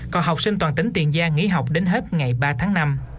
còn tỉnh tiền gia nghỉ học đến hết ngày ba tháng năm